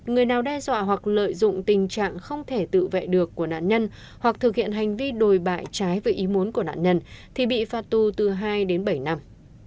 người nào đe dọa hoặc lợi dụng tình trạng không thể tự vệ được của nạn nhân hoặc thực hiện hành vi đồi bại trái với ý muốn của nạn nhân thì bị phạt tù từ hai đến bảy năm